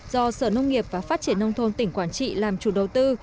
do sở nông nghiệp và phát triển nông thôn tỉnh quảng trị làm chủ đầu tư